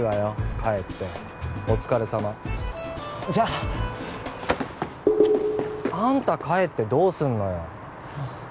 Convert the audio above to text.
帰ってお疲れさまじゃああんた帰ってどうすんのよ